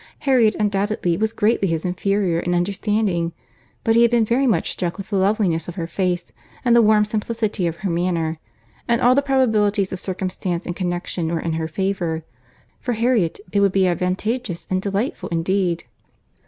—Harriet undoubtedly was greatly his inferior in understanding; but he had been very much struck with the loveliness of her face and the warm simplicity of her manner; and all the probabilities of circumstance and connexion were in her favour.—For Harriet, it would be advantageous and delightful indeed.